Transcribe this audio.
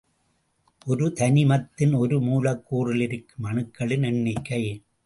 ஒரு தனிமத்தின் ஒரு மூலக்கூறிலிருக்கும் அணுக்களின் எண்ணிக்கை.